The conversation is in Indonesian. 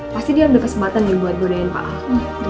pasti dia ambil kesempatan nih buat bodain pak al